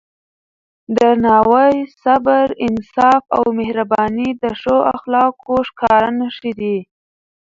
درناوی، صبر، انصاف او مهرباني د ښو اخلاقو ښکاره نښې دي.